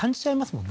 もんね